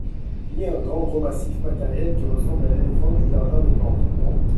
Ni un grand gros massif matériel qui ressemble à l'éléphant du Jardin des Plantes ? Non.